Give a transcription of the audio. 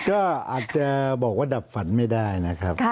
ก็อาจจะบอกว่าดับฝันไม่ได้นะครับ